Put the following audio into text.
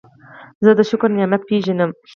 زه د شکر نعمت پېژنم.